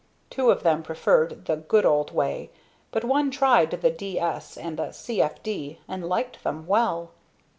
Two of them preferred "the good old way," but one tried the "d. s." and the "c. f. d." and liked them well.